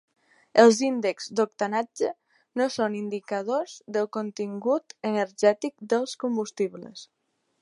Els índexs d'octanatge no són indicadors del contingut energètic dels combustibles.